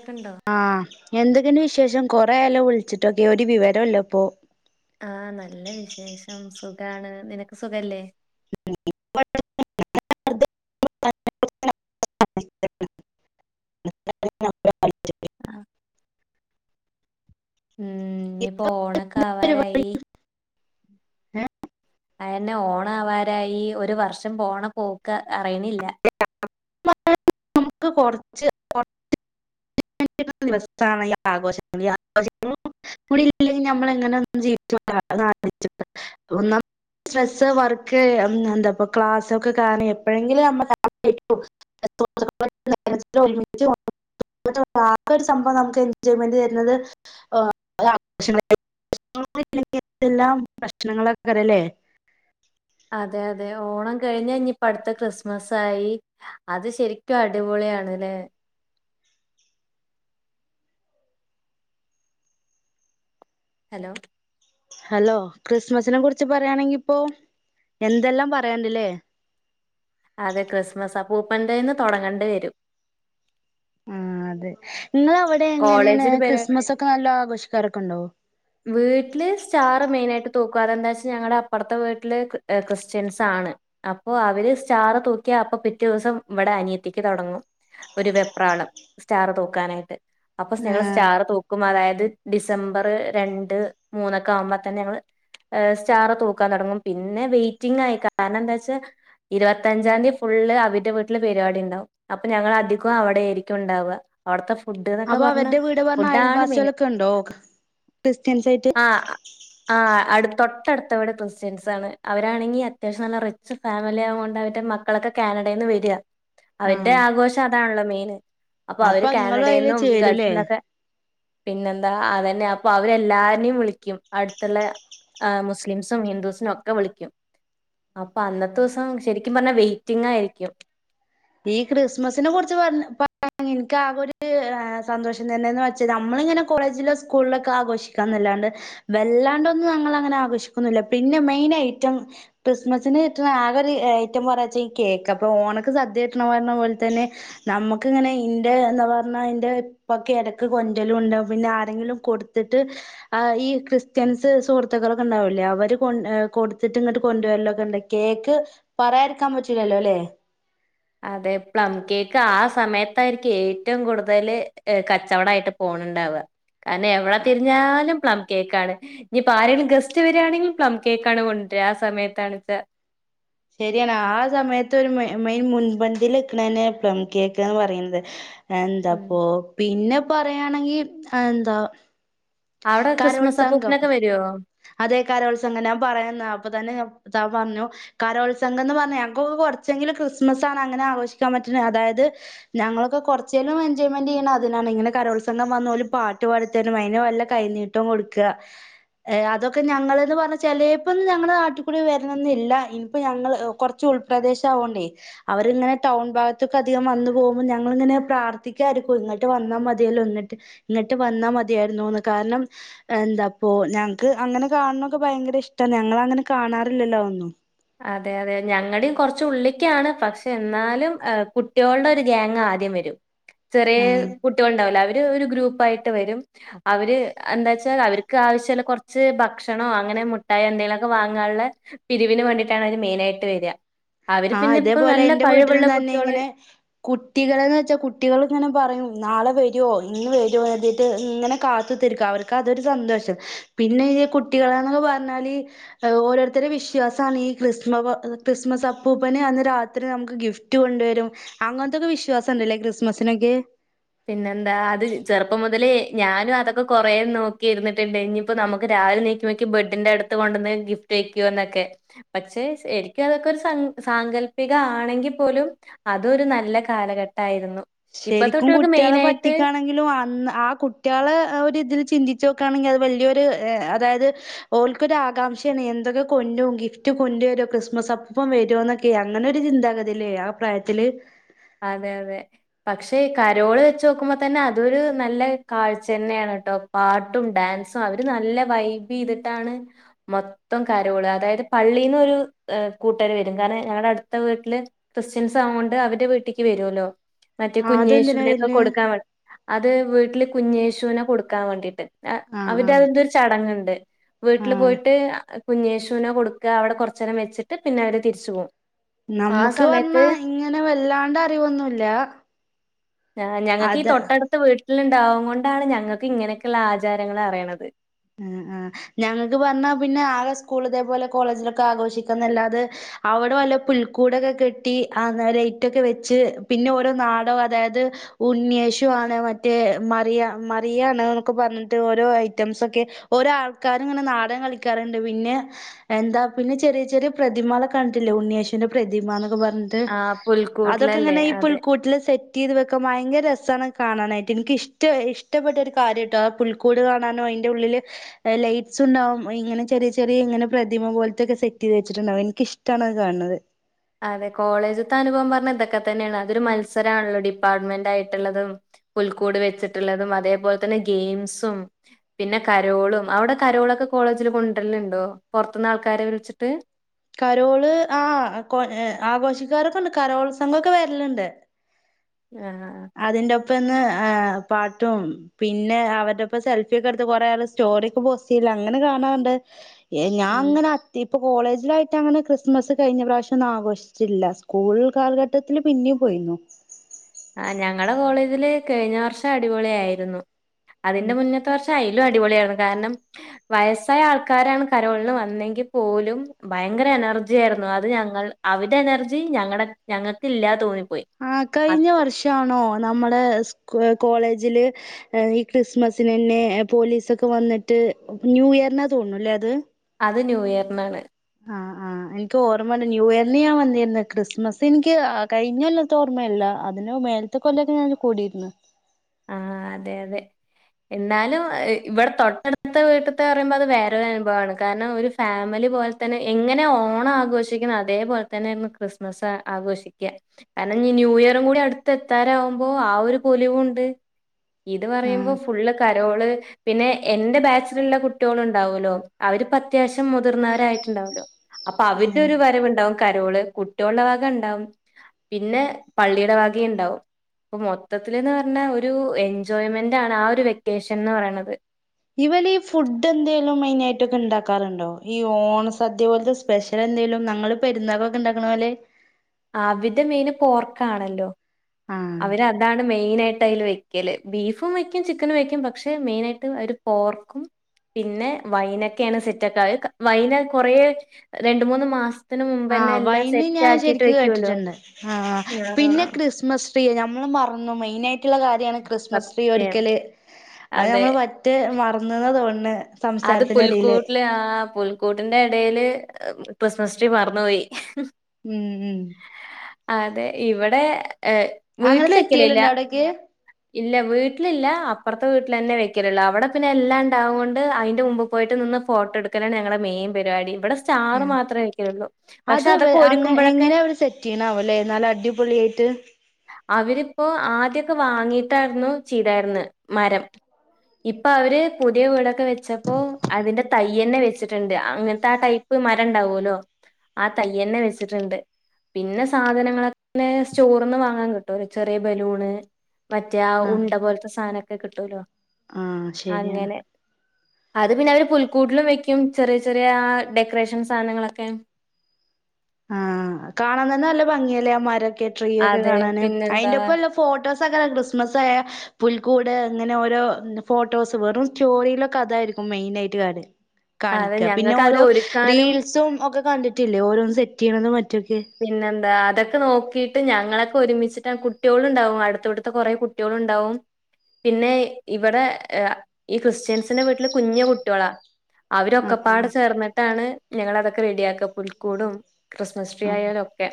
ക്ക്ണ്ടോ ആഹ് എന്തെക്കെയുണ്ട് വിശേഷം കൊറെയാല്ലോ വിളിച്ചിട്ടൊക്കെ ഒരു വിവരൊല്ലപ്പോ ആഹ് നല്ല വിശേഷം സുഖാണ് നിനക്ക് സുഖല്ലേ [inaudible] ആഹ് ഉം ഇനി പോ ഓണക്കെ പരിപാടി ആവാരായി അയന്നെ ഓണആവാരായി ഒരു വർഷം പോണ പോക്ക് അറിയണില്ല മുത്ത് കൊറച്ച് കൊറ ച്ച് [inaudible] ദിവസണ് ഈ ആഘോഷങ്ങ ആഘോഷങ്ങള് കൂടില്ലെങ്കിൽ നമ്മള് എങ്ങനെ ഒന്നു ജീവിച്ചോട്ട് നാളെ വെച്ചിട്ട് ഒന്നാം സ്ട്രെസ്സ് വർക്ക് എമ് എന്താപ്പ ക്ലാസ്സ് ഒക്കെ കാണ എപ്പോഴെങ്കിലും നമു [inaudible] ബുക്ക്സ് എത്തു വർത്താനം [inaudible] ഒരുമിച്ച് [inaudible] ആകെ ഒരു സംഭവം നമുക്ക് എൻജോയ്മെന്റ് തരുന്നത് ആഹ് ആഘോഷങ്ങളെ പ്രശ്ന [inaudible] ല്ലാം പ്രശ്നങ്ങളൊക്കെരല്ലേ അതെ അതെ ഓണം കഴിഞ്ഞനിയിപ്പ അടുത്ത ക്രിസ്മസായി അത് ശരിക്കും അടിപൊളിയാണ്ല്ലെ ഹലോ ഹലോ ക്രിസ്മസിനെ കുറിച്ച് പറയായാണെങ്കി ഇപ്പോ എന്തെല്ലാം പറയണ്ടില്ലേ അതെ ക്രിസ്മസ് അപ്പുപ്പന്റെന്ന് തുടങ്ങേണ്ടി വരും ആഹ് അതെ ങ്ങളവിടെ എങ്ങനെയാണ് കോളേജില് പരിപാടി ക്രിസ്മസ് ഒക്കെ നല്ലോ ആഘോഷിക്കാരൊക്കെണ്ടോ വീട്ടില് സ്റ്റാറ് മെയിനായിട്ട് തുക്കും അതെന്താച്ചാ ഞങ്ങളെ അപ്പറത്തെ വീട്ടില് ഹ് ക്രിസ്ത്യൻസ്സ്സാണ് അപ്പൊ അവര് സ്റ്റാറ് തൂക്കിയാ അപ്പൊ പിറ്റേ ദിവസം ഇവിടെ അനിയത്തിക്ക് തൊടങ്ങും ഒരു വെപ്രാളം സ്റ്റാർ തുക്കാനായിട്ട് അപ്പൊ ആ ഞങ്ങള് സ്റ്റാർ തുക്കും അതായത് ഡിസംബറ് രണ്ട് മൂന്നൊക്കെ ആവുമ്പോ തന്നെ ഞങ്ങള് ആഹ് സ്റ്റാറ് തൂക്കാൻ തുടങ്ങും പിന്നെ വെയിറ്റിംഗ് ആയി കാരണം എന്താ വെച്ചാ ഇരുപത്തഞ്ചാം തീയതി ഫുള് അവരുടെ വീട്ടില് പരിപാടി ഉണ്ടാവും അപ്പൊ ഞങ്ങള് അധികം അവിടെ ആയിരിക്കും ഉണ്ടാവുക അവിടത്തെ ഫുഡ് എന്നൊക്കെ അപ്പൊ പറഞ്ഞ അവരുടെ വീട് പറഞ്ഞ ഫുഡാണ് മേയ്ൻ അയൽവാസികളൊക്കെ ഉണ്ടോ ക്രിസ്ത്യൻസ് ആയിട്ട് ആഹ് ആഹ് അടു തൊട്ടടുത്തവിടെ ക്രിസ്ത്യൻസ് ആണ് അവരാണെങ്കിൽ അത്യാവശ്യം നല്ല റി ച്ച് ഫാമിലി ആയ കൊണ്ടാവരുടെ മക്കളൊക്കെ കാനഡയിൽ നിന്ന് വര്യ അവരുടെ ആഹ് ആഘോഷം അതാണല്ലോ മെയിൻ അപ്പൊ അവര് നിങ്ങളും കാനഡയിൽ അതില് നിന്നും ചേരൂലേ ഗൾഫിന്നൊക്കെ പിന്നെന്താ അതന്നെ അപ്പൊ അവരെല്ലാരനേ വിളിക്കും അടുത്തുള്ള ആഹ് മുസ്ലിംസും ഹിന്ദുസിനും ഒക്കെ വിളിക്കും അപ്പൊ അന്നത്തെ ദിവസം ശരിക്കും പറഞ്ഞാ വെയിറ്റിംഗ് ആയിരിക്കും ഈ ക്രിസ്മസിനെ കുറിച്ച് പറഞ്ഞ പ എനിക്ക് ആകൊരു സന്തോഷം തന്നെയന്ന് വെച്ചാ നമ്മളിങ്ങനെ കോളേജിലോ സ്കൂളിലൊക്കെ ആഘോഷിക്കാന്നല്ലാണ്ട് വല്ലാണ്ടൊന്നും ഞങ്ങൾ അങ്ങനെ ആഘോഷിക്കുന്നില്ല പിന്നെ മെയിൻ ഐറ്റം ക്രിസ്മസിന് കിട്ടുന്ന ആക ഒരു ഐറ്റം പറയാ വെച്ച ഈ കേക്ക അപ്പൊ ഓണക്ക് സദ്യ [unintelligible] പോലെ തന്നെ നമുക്ക് ഇങ്ങനെ ഇന്റെ എന്താ പറഞ്ഞാ അന്റെ ഇപ്പൊ കിടക്ക് കൊണ്ടലും ഉണ്ടാകും പിന്നെ ആരെങ്കിലും കൊടുത്തിട്ട് ആഹ് ഈ ക്രിസ്ത്യൻസ് സുഹൃത്തുളൊക്കെണ്ടാവൂല്ലേ അവര് കൊ കൊടുത്തിട്ട് ഇങ്ങട്ട് കൊണ്ടുവല്ലോക്കെ ഉണ്ട കേക്ക് പറയായിരിക്കാൻ പറ്റില്ലല്ലോ അല്ലേ അതെ പ്ലം കേക്ക് ആഹ് സമയത്തായിരിക്കും ഏറ്റവും കൂടുതൽ കച്ചവടായിട്ട് പോണുണ്ടാവ കാരണം എവിടെ തിരിഞ്ഞാലും പ്ലം കേക്കാണ് ഇനിയിപ്പോ ആരെങ്കിലും ഗസ്റ്റ് വരിയാണെങ്കും പ്ലം കേക്ക് ആണ് കൊണ്ടരാ ആഹ് സമയത്താണച്ചാൽ ശരിയാണ് ആഹ് സമയത്ത് ഒരു മെയിൻ മുൻപന്തിൽ എക്കണെ പ്ലം കേക്കന്ന് പറയുന്നത് എന്താപോ പിന്നെ പറയായാണെങ്കിൽ എന്താ അവിടെ ക്രിസ്മസ് അപ്പൂപ്പനൊക്കെ വരുവോ അതേ കരോൾ സംഖം ഞാൻ പറയന്ന അപ്പൊ തന്നെ താ പറഞ്ഞു കരോൾ സംഗം എന്ന് പറഞ്ഞ ഞക്ക് കുറച്ചെങ്കിലും ക്രിസ്മസ്സാണ് അങ്ങനെ ആഘോഷിക്കാൻ പറ്റുന്നത് അതായത് ഞങ്ങളൊക്കെ കുറച്ചേലും എൻജോയ്മെൻ്റ് ചെയ്യണ അതിനാണ് ഇങ്ങനെ കരോത്സംഗം വന്ന് ഓലെ പാട്ട് പാടിത്തരും അതിന് വല്ല കൈനീട്ടം കൊടുക്ക ഏഹ് അതൊക്ക ഞങ്ങൾന്ന് പറഞ്ഞ ചിലപ്പൊ ഞങ്ങളുടെ നാട്ടിൽക്കൂടി വരണൊന്നും ഇല്ല ഇനിപ്പ ഞങ്ങള് കുറ ച്ച് ഉൾപ്രദേശം ആവണ്ടേ അവരിങ്ങനെ ടൗൺ ഭാഗത്തൊക്കെ അധികം വന്നു പോകുമ്പോൾ ഞങ്ങൾങ്ങനെ പ്രാർത്ഥിക്കായിരിക്കും ഇങ്ങോട്ട് വന്നാൽ മതിയല്ലോ എന്നിട്ട് എന്നിട്ട് വന്നാ മതിയായിരുന്നു കാരണം എന്താപ്പൊ ഞങ്ങക്ക് അങ്ങനെ കാണണൊക്കെ ഭയങ്കര ഇഷ്ടമാണ് ഞങ്ങ അങ്ങനെ കാണാറില്ലല്ലോ ഒന്നും അതെ അതെ ഞങ്ങളുടെയും കുറച് ഉള്ളിക്കാണ് പക്ഷെ എന്നാലും കുട്ടികളുടെ ഒരു ഗ്യാങ് ആദ്യം വരും ചെറിയ ആഹ് കുട്ടികളുണ്ടാവോലേ അവര് ഒരു ഗ്രൂപ്പായിട്ട് വരും അവര് എന്താ വച്ചാ അവർക്ക് ആവശ്യമുള്ള കുറച്ച് ഭക്ഷണോ അങ്ങനെ മുട്ടായോ എന്തെങ്കിലു ഒക്കെ വാങ്ങാനുള്ള പിരിവിന് വേണ്ടിട്ടാണ് അവര് മെയിൻ ആയിട്ട് വരിക അവര് ആഹ് പിന്നെ ഇപ്പ നല്ല കഴിവുള്ള കുട്ടികള് കുട്ടികളന്ന് വെച്ചാൽ കുട്ടികൾ ഇങ്ങനെ പറയും നാളെ വരുവോ ഇന്ന് വരുവോ കരുതിയിട്ട് ഇങ്ങനെ കാത്തുത്തിരിക്കു അവർക്ക് അതൊരു സന്തോഷം പിന്നെ ഈ കുട്ടികളന്നൊക്കെ പറഞ്ഞാല് ഓരോരുത്തടെ വിശ്വാസമാണ് ഈ ക്രിസ്മ ക്രിസ്മസ് അപ് അപ്പൂപ്പനെ അന്ന് രാത്രി നമുക്ക് ഗിഫ്റ്റ് കൊണ്ടുവരും അങ്ങനത്തൊക്കെ വിശ്വാസണ്ടല്ലേ ക്രിസ്മസിനൊക്കെ പിന്നെന്താ അത് ചെറുപ്പം മുതലേ ഞാനും അതൊക്കെ കൊറേന്ന് നോക്കിയിരിട്ടുണ്ട് ഇനിയിപ്പോ നമുക്ക് രാവിലെ നി [unintelligible] ബെഡിന്റെ അടു കൊണ്ടന്ന് ഗിഫ്റ്റ് വയ്ക്കുന്നൊക്കെ പക്ഷെ ശരിക്കും അതൊക്കെ ഒരു സങ്ക സാങ്കല്പിക ആണെങ്കിൽ പോലും അതൊരു നല്ല കാലഘട്ടമായിരുന്നു ഇപ്പത്തെക്കുട്ടികൾക്ക് മെയിനായിട്ട് ആണെങ്കിലും അന്ന് ആഹ് കുട്ടികളെ ഒരു ഇതിൽ ചിന്തിച്ചു നോക്കയാണെങ്കിൽ അത് വലിയൊരു അതായത് ഓൾക്കൊരു ആകാംക്ഷയാണ് എന്തൊക്കെ കൊണ്ടും ഗിഫ്റ്റ് കൊണ്ട വരു ക്രിസ്മസ് അപ്പൂപ്പൻ വരുമോക്കെ അങ്ങനെ ഒരു ചിന്താഗതിയല്ലേ ആഹ് പ്രായത്തില് അതെ അതെ പക്ഷേ ഈ കരോള് വെച്ച് നോക്കുമ്പോൾ തന്നെ അതൊരു നല്ല കാഴ്ച തന്നെയാണ് കേട്ടോ പാട്ടും ഡാൻസും അവര് നല്ല വൈബ് ചെയ്തിട്ടാണ് മൊത്തം കരോൾ അതായത് പള്ളീന്ന് ഒരു കൂട്ടർ വരും കാരണം ഞങ്ങളുടെ അടുത്ത വീട്ടില് ക്രിസ്ത്യൻസ് ആവ കൊണ്ട് അവരുടെ വീട്ടിക്ക് വരുഓല്ലോ മറ്റേ ആഹ് അതെന്തിനാ കുഞ്ഞേശുവിനൊക്കെ വര്ണ് കൊടുക്കാൻ അത് വീട്ടില് കുഞ്ഞേശുവിനെ കൊടുക്കാൻ വേണ്ടിട്ട് ആഹ് അവടെ ആഹ് അതിന്റെ ഒരു ചടങ്ങുണ്ട് വീട്ടില് ആഹ് പോയിട്ട് കുഞ്ഞേശുവിനെ കൊടുക്ക അവിടെ കുറച്ച നേരം വെച്ചിട്ട് പിന്നെ അവര് തിരിച്ചു പോകും ആ നമ്മുക്ക് സമയത്ത് പറഞ്ഞാ ഇങ്ങനെ വല്ലാണ്ട് അറിവൊന്നുമല്ല ആ് ഞങ്ങൾക്ക് ഈ തൊട്ടടുത്ത് വീട്ടില ഉണ്ടാവും കൊണ്ടാണ് ഞങ്ങൾക്ക് ഇങ്ങനെയൊക്കെയുള്ളള്ള ആചാരങ്ങള് അറിയണത് ആഹ ആഹ ഞങ്ങൾക്ക് പറഞ്ഞാ പിന്നെ ആകെ സ്കൂൾ ഇതേപോലെ കോളേജിലൊക്കെ ആഘോഷിക്കുന്നല്ലാതെ അവിടെ വല്ല പുൽക്കൂടൊക്കെ കെട്ടി ലൈറ്റൊക്കെ വെച്ച് പിന്നെ ഓരോ നാടോ അതായത് ഉണ്ണിയേശു ആണ് മറ്റേ മറിയ മറിയാണ് എന്നൊക്കെ പറഞ്ഞിട്ട് ഓരോ ഐറ്റംസ് ഒക് - ഓരോ ആൾക്കാരും ഇങ്ങനെ നാടകം കളിക്കാറുണ്ട് പിന്നെ എന്താ പിന്നെ ചെറിയ ചെറിയ പ്രതിമകളെ കണ്ടിട്ടില്ല ഉണ്ണിയേശന്റെ പ്രതിമന്നൊക്കെ പറഞ്ഞിട്ട് ആഹ് അതൊക്കെ പുൽക്കൂട്ടിലല്ലേ എങ്ങനെ ഈ അതെ. പുൽക്കൂട്ടില് സെറ്റ് ത് വെക്കാൻ ഭയങ്കര രസമാണ് കാണാനായിട്ട് എനിക്കഷ്ട ഇഷ്ടപ്പെട്ട ഒരു കാര്യട്ട അ പുൽക്കൂട് കാണാന ന്റെ ഉള്ളിൽ ലൈറ്റ്സ് ഉണ്ടാവും ഇങ്ങനെറ ചെിയ ഇങ്ങനെ പ്രതിമ പോലത്തെൊക്കെ സെറ്റ് ചെയ്ത് വെച്ചിട്ടുണ്ടാവും എനിക്കിഷ്ടണ അത് കാണത് അതെ കോളേജത്തെ അനുഭവം പറഞ്ഞത് ഇതൊക്കെ തന്നെയാണ് അതൊരു മത്സരമാണല്ലോ ഡിപ്പാർട്ട്മെന്റ് ആയിട്ടുള്ളതും പുൽക്കൂട് വെച്ചിട്ടുള്ളതും അതേപോലെ തന്നെ ഗെയിംസും പിന്നെ കരോളും അവിടെ കരോളൊക്കെ കോളേജിൽ കൊണ്ടര്ല്ലുണ്ടോ പുറത്തുനിന്ന് ആൾക്കാരെ വിളിച്ചിട്ട് കരോള് ആഹ ആഘോഷിക്കാരൊക്കെ ഉണ്ട് കരോൾ സംഘമൊക്കെ വരലുണ്ട് ആഹാ ആഹാ അതിന്റെ ഒപ്പന്ന് പാട്ടും പിന്നെ അവരുടോപ്പ സെൽഫി ഒക്കെ എടുത്ത് കൊറെേ ആൾ സ്റ്റോറിൊക്കെ പോസ്ല്ല അങ്ങനെ കാണാറുണ്ട് ഏഹ ഞാ ഉം അങ്ങനെ അത്തി ഇപ്പൊ കോളജിലായി മറ്റേ അങ്ങനെ ക്രിസ്മസ് കഴിഞ്ഞ പ്രാവശ്യം ഒന്നും ആഘോഷിച്ചില്ല സ്കൂൾ കാലഘട്ടത്തില്ൽ പിന്നെയും പോയിരുന്നു ആഹ ഞങ്ങളടെ കോളേജില് കഴിഞ്ഞ വർഷം അടിപൊളി ആയിരുന്നു അതിന്റെ മുന്ന അ വർഷ അയലും അടിപൊളിയാണ് കാരണം വയസ്സായ ആൾക്കാരാണ് കരോളിന് വന്നെങ്കിൽ പോലും ഭയങ്കര എനർജി ആയിരുന്നു അത് ഞങ്ങൾ അവരടെ എനർജി ഞങ്ങളടെ ഞങ്ങൾക്ക് ഇല്ലാതെ തോന്നിപ്പോയി ആഹ അ- കഴിഞ്ഞ വർഷമാണോ നമ്മടെ സ് കോളേജില് ഈ ക്രിസ്മസിിന തന്നെ പോലീസൊക്കെ വന്നിട്ട് ന്യൂ ഇയറിനാ തോന്നല്ലേ അത് അത് ന്യൂ ഇയറിനാണ് ആഹ് ആഹ് എനിക്ക് ഓർമ്മയല്ല ന്യൂ ഇയറിന് ഞൻ വന്നിരന്ന് ക്രിസ്മസ് എനിക്ക് കഴിഞ്ഞല്ലാത്ത ഓർമയല്ല അതിനന് മേൽ ഇത്തെ കൊല്ലൊക്ക ഞാനൻ കൂടിയിരുന്നു ആഹ് അതെ അതെ എന്നാലും ഇവിടെ തൊട്ടടുത്ത വീട്ടത്തെ പറയുമ്പോ അത് വേറൊരു അനുഭവമാണ് കാരണം ഒരു ഫാമിലി പോലെ തന്നെ എങ്ങനെ ഓണം ആഘോഷിക്കുന്ന അതേപോലെ തന്നെരുന്നു ക്രിസ്മസ് ആഘോഷിക്കുക കാരണം ന്യൂ ഇയറും കൂടി അടുത്ത് എത്താരാവുമ്പോ ആഹ ഒരു പൊലിവുണ്ട് ഇത് പറയുമ്പോ ആഹ് ഫുള്ള് കരോള് പിന്നെ എന്റെ ബാച്ചിലറ ഉള്ള കുട്ടികള ഉണ്ടാവല്ലോ അവര്പ്പോ അത്യാവശ്യം മുതിർന്നവരായിയിട്ടുണ്ടാവല്ലോ അപ്പൊ അവരുടെ ഒരു വരവണ്ടാവും കരോള് കുടട്ടിയോള്ള ഭാഗ ഉണ്ടാവും പിന്നെ പള്ളിയുടെ വകയും ഉണ്ടാവും അപ്പൊ മൊത്തത്തില്ന്ന് പറഞ്ഞാ ഒരു ഒരു എൻജോയ്മെന്റ് ആണ് ആഹ ഒരു വെക്കേഷൻ എന്ന് പറയണത് ഇവല ഈ ഫുഡ് എന്തെലും മെയിൻ ആയിട്ടൊക്കെ ഉണ്ടാക്കാറുണ്ടോ ഈ ഓണ സദ്യ പോലത്തെ സ്പെഷ്യ എന്തേലും ങ്ങള് പെരുന്നാവളൊക്കെ ഉണ്ടാക്കണപോലെ ആഹാ അവിടെ മെയിന് പോർക്കാണല്ലോ ആഹ് അവര് അത് അതാണ് മെയിന ആയിട്ട് അതില് വെക്കല് ബീഫും വെക്കും ചിക്കനും വെക്കും പക്ഷെ മെയിന ആയിട്ട് അവര് പോർക്കും പിന്നെ വൈനൊക്കെയാണ് സെറ്റക്ക ആക്ക വൈന കുറേ രണ്ട മൂന്ന് മാസം ത്തിന് മുമ്പ്ന്നെ ആഹ് എല്ലാം സെറ്റ് ആക്കിട്ട് വെക്കുല്ലോ ആ പിന്നെ ക്രിസ്മസ് ട്രീ നമ്മള് പറഞ്ഞു മെയിൻ ആയിട്ടുള്ള കാര്യ അത് ഞങ്ങള് ക്രിസ്മസ് ട്രീ സത്യം ഒരിക്കല് അത് അതെ നമ്മള് മറ്റ് മറന്നത് തോന്നത് അത് പുൽക്കൂട്ടിലെ ആ പുൽ കൂട്ടിന്റെ ഇടയില് ക്രിസ്മസ് ട്രീ മറന്നുപോയി ഉം ഉം അതെ ഇവിടെ എ അങ്ങനെ വീട്ടില് സെറ്റ് വെക്കലില്ല ചെയ്യലുണ്ടോ അവിടേക്ക് ഇല്ല വീട്ടില് ഇല്ല അപ്പർത്തെ വീട്ടിലന്നെ വെക്കലൊള്ളൂ അവടെ പിന്നെ എല്ലാം ഇണ്ടാവോ ണ്ട് അയിന്റെ മുമ്പ് പോയിട്ട് നിന്ന് ഫോട്ടടുക്കാലാണ് ഞങ്ങളെ മെയിൻ പരുപാടി ഇവിടെ സ് ചാറ് ആഹ് മാത്രേ വെയ്ക്കലൊള്ളൂ പക്ഷെ അത് അതൊക്കെ അങ്ങ ഒരുക്കുമ്പോഴൊക്കെ- എങ്ങനെയാ അവര് സെറ്റ് ചെയ്യണാവല്ലേ നല്ല അടിപൊളിയായിട്ട് അവരിപ്പോ ആദ്യൊക്കെ വാങ്ങിട്ടായിരുന്നു ചെയ്താരിന്ന് മരം ഇപ്പ അവര് പുതിയ വീടോ - ട് വെച്ചപ്പോ അതിന്റെ തയ്യ് തന്നെ വെച്ചിട്ടുണ്ട് അങ്ങനത്തെ ആ ടൈപ്പ് മരം ഇണ്ടാവൊല്ലോ ആ തയ്യ് തന്നെ വെച്ചിട്ടുണ്ട് പിന്നെ സാധനങ്ങളൊക്കെ സ്റ്റോറിന്ന് വാങ്ങാൻ കിട്ടുല്ലോ ചെറിയ ബലൂണ്- മറ്റേ ആ ആഹ് ഉണ്ട പോലത്തെ സാധ നോക്കെ കിട്ടുലോ ആഹ് ശരിയാണ് അത് പിന്നെ അവര് പുൽക്കൂട്ടിലും വെക്കും ചെറിയ ചെറിയ ഡെക്കറേഷൻ സാനങ്ങളൊക്കെ ആഹ് കാണാൻ നല്ല ഭംഗിയല്ലേ ആ മരൊക്കെ ട്രീ ഒക്കെ അതെ. കാണാന് പിന്നെന്താ അയിന്റെ ഒപ്പമുള്ള - ഫോട്ടോസ് ഒക്കെ ക്രിസ്മസ് ആയാ പുൽക്കൂട് ഇങ്ങനെ ഓരോ ഫോട്ടോസ് വെറും സ്റ്റോറീലെ അതായിരിക്കും മെയിനായിട്ട് കാണല് അതെ കാണിക്ക പിന്നെ ഞങ്ങക്കത് ഓരോ ഒരുക്കാനും റീൽസും ഒക്കെ കണ്ടിട്ടില്ലേ ഓരോന്ന് സെറ്റ് ചെയ്യണത് മറ്റുവൊക്കെ പിന്നെന്താ അതക്കെ നോക്കിട്ട് ഞങ്ങളൊക്കെ ഒരുമിച്ചിട്ടാ കുട്ടിയോള് ഇണ്ടാവും അടുത്തടുത്ത കൊറേ കു കുട്ടിയോളുണ്ടാവും പിന്നെ ഇവിടെ ഈ ക്രിസ്ത്യൻസിന്റെ വീട്ടില് കുഞ്ഞ് കുട്ടിയോളാ ആഹ് അവരൊക്കെപ്പാടെ ചേർന്നിട്ടാണ് ഞങ്ങളതൊക്കെ റെഡിയാക്ക പുൽക്കൂടും ക്രിസ്മസ് ആഹ് ട്രീയാലൊക്കെ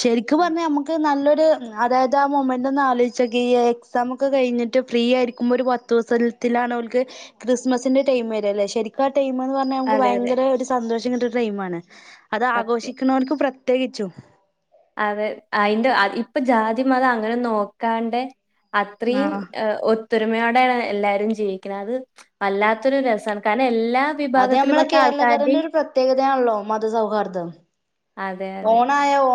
ശരിക്ക് പറഞ്ഞാ നമ്മക്ക് നല്ലൊരു അതായത് ആ മൊമെന്റ് ഒന്ന് ആലോചിച്ചു നോക്കിയേ എക്സാമൊക്കെ കഴിഞ്ഞിട്ട് ഫ്രീ ആയിരിക്കുമ്പോ ഒരു പത്തു ദിവസത്തിലാണ് ഓൽക്ക്- ക്രിസ്മസിന്റെ ടൈം വരാല്ലേ ശരിക്കാ ടൈമംയെന്ന് പ ന്നാവുമ്പോ അതെ അതെ ഭയങ്കര ഒരു സന്തോഷം കിട്ട്ണ ടൈമാണ് അത് സത്യം. ആഘോഷിക്ക്‌ണോൽക്ക്‌ പ്രത്യേകിച്ചും അതെ അയിന്റെ അത് ഇപ്പ ജാതി മതം അങ്ങനെ നോക്കാണ്ടെ- അത്രയും ആഹ് ഒ - ത്തൊരുമയോടെയാണ് എല്ലാരും ജീവിക്കണെ അത് വല്ലാത്തൊരു രസാണ് കാരണം എല്ലാ- അത് ഞമ്മളെ വിഭാഗത്തിൽപ്പെട്ട കേരളക്കരന്റെ ആൾക്കാരുടെയും ഒരു പ്രത്യേകതയാണല്ലോ മത സൗഹാർദം അതെ അതെ ഏ ഓ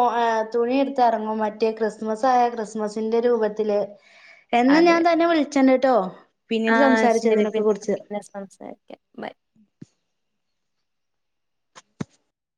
തുണി ഉടുത്തുയിറങ്ങും മറ്റേ ക്രിസ്മസ് ആയ ക്രിസ്മസിന്റെ രൂപത്തില് എന്നാ അതെ. ഞാൻ തന്നെ വിളിച്ചണ്ട്ട്ടോ ആഹ് ശരി പിന്നെ പിന്നെ സംസാരിക്കാ ബൈ.